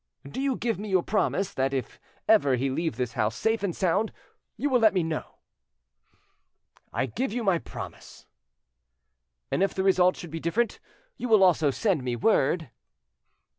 "Do you give me your promise that if ever he leave this house safe and sound you will let me know?" "I give you my promise." "And if the result should be different, you will also send me word?"